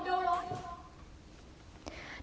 ดูลอง